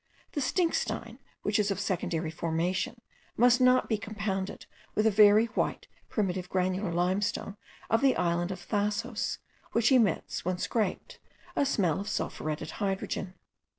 The stinkstein which is of secondary formation, must not be confounded with a very white primitive granular limestone of the island of Thasos, which emits, when scraped, a smell of sulphuretted hydrogen.